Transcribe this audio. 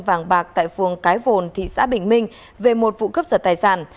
vàng bạc tại phường cái vồn thị xã bình minh về một vụ cướp giật tài sản